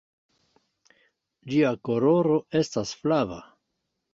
Ĝia koloro estas flava.